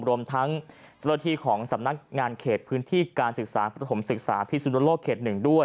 บรมทั้งเศพธีสำนักงานเขตพศพิสุนโลกเขต๑